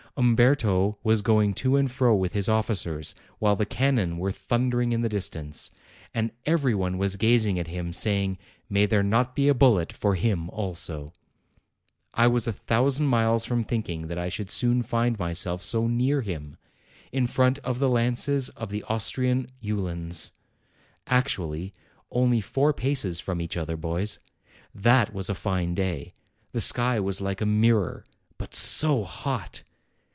Umberto was going to and fro with his officers, while the cannon were thundering in the distance ; and every one was gazing at him and saying, 'May there not be a bullet for him also !' I was a thousand miles from thinking that I should soon find myself so near him, in front of the lances of the Austrian uhlans ; actually, only four paces from each other, boys. That was a fine day ; the sky was like a mirror ; but so hot